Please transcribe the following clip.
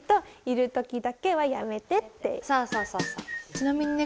ちなみにね